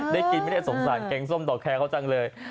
ได้กินไม่ได้สงสารแกงส้มดอกแคร์เขาจังเลย